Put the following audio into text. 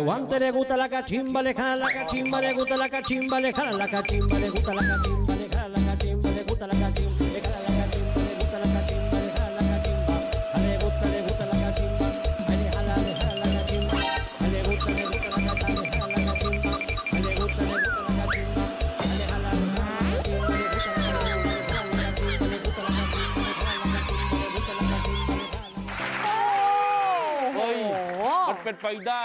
โอ้โหมันเป็นไปได้